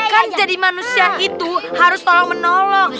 kan jadi manusia itu harus tolong menolong